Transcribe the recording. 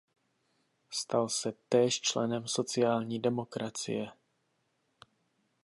Stal se též členem sociální demokracie.